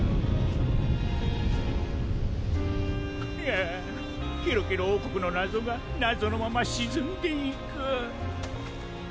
ああケロケロおうこくのなぞがなぞのまましずんでいく。